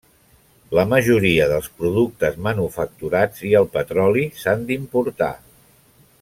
La majoria dels productes manufacturats i el petroli s'han d'importar.